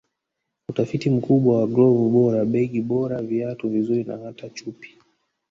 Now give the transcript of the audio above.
Utafiti mkubwa wa glovu bora begi bora viatu vizuri na hata chupi